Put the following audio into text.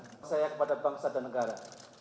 ternyata yang saya chair kepada bangsa dan negara